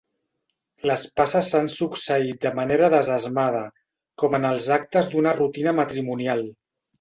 Les passes s'han succeït de manera desesmada, com els actes d'una rutina matrimonial.